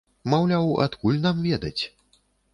Маўляў, адкуль нам ведаць?